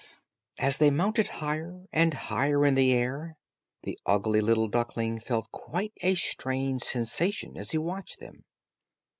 As they mounted higher and higher in the air, the ugly little duckling felt quite a strange sensation as he watched them.